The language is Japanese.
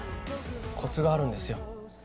コツがあるんですよ。